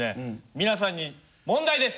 皆さんに問題です。